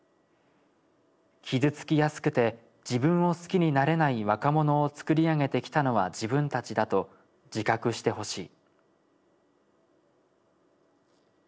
傷つきやすくて自分を好きになれない若者を作り上げてきたのは自分たちだと自覚してほしい」。